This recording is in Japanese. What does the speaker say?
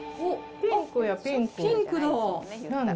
ピンクや、ピンク。